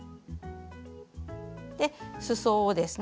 すそをですね